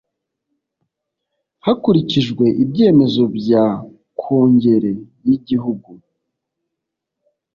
hakurikijwe ibyemezo bya kongere y ‘igihugu.